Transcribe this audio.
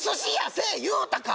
せえ言うたか？